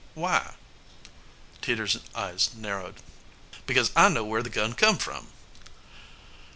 "Why?" Teeters' eyes narrowed. "Because I know where the gun come from!"